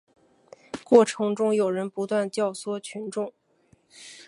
过程中有人不断教唆群众